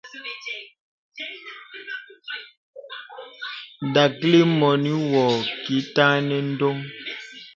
Dəklì mɔnì wɔ kì tənə ǹdɔŋ.